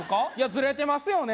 ずれてますよね？